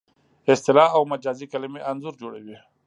اصطلاح او مجازي کلمې انځور جوړوي